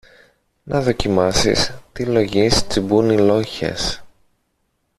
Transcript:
να δοκιμάσεις τι λογής τσιμπούν οι λόγχες